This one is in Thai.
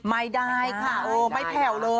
ไม่ได้ค่ะ